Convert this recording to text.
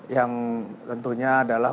yang tentunya adalah